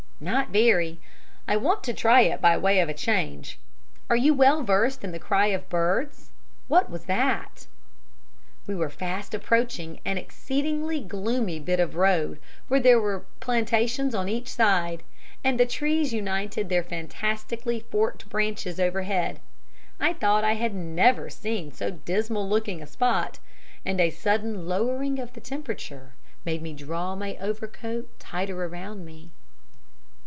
"Not very. I want to try it by way of a change. Are you well versed in the cry of birds? What was that?" We were fast approaching an exceedingly gloomy bit of the road where there were plantations on each side, and the trees united their fantastically forked branches overhead. I thought I had never seen so dismal looking a spot, and a sudden lowering of the temperature made me draw my overcoat tighter round me.